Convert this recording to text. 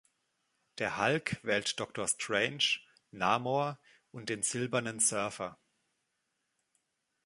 Der Hulk wählt Doctor Strange, Namor und den silbernen Surfer.